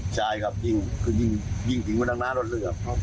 ใช่ครับยิงยิงยิงมาทางหน้ารถเลยครับ